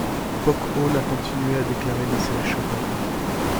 Pooch Hall a continué et a déclaré la série Showtime.